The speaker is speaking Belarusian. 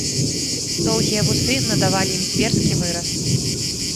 Доўгія вусы надавалі ім зверскі выраз.